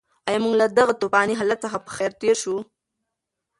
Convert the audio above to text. ایا موږ له دغه توپاني حالت څخه په خیر تېر شوو؟